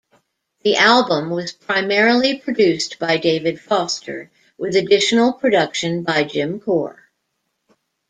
The album was primarily produced by David Foster, with additional production by Jim Corr.